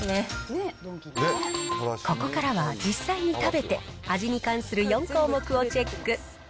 ここからは、実際に食べて、味に関する４項目をチェック。